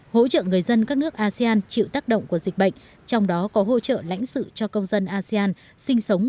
hỗ trợ người dân các nước asean chịu tác động của dịch bệnh trong đó có hỗ trợ lãnh sự cho công dân asean sinh sống